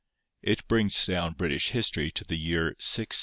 It brings down British history to the year 660.